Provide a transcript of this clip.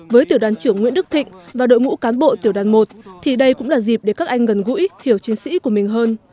với tiểu đoàn trưởng nguyễn đức thịnh và đội ngũ cán bộ tiểu đoàn một thì đây cũng là dịp để các anh gần gũi hiểu chiến sĩ của mình hơn